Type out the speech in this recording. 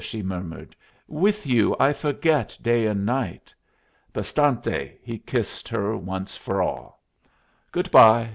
she murmured; "with you I forget day and night!" "Bastante!" He kissed her once for all. "Good bye!